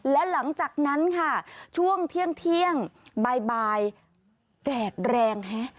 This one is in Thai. และหลังจากนั้นค่ะช่วงเที่ยงเที่ยงบ่ายบ่ายแกรกแรงฮะ